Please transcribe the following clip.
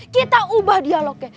kita ubah dialognya